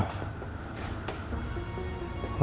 yang season ini udah mau ke dalam